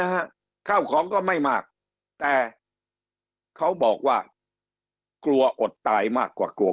ฮะข้าวของก็ไม่มากแต่เขาบอกว่ากลัวอดตายมากกว่ากลัว